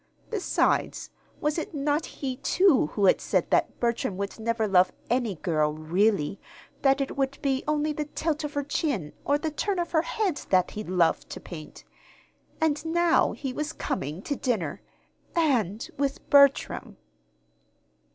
Besides, was it not he, too, who had said that Bertram would never love any girl, really; that it would be only the tilt of her chin or the turn of her head that he loved to paint? And now he was coming to dinner and with Bertram.